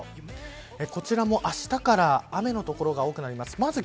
こちらもあしたから雨の所が多くなります。